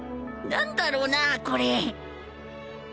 何だろうなこれ